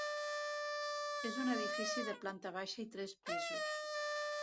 És un edifici de planta baixa i tres pisos.